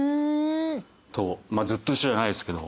ずっと一緒じゃないですけど。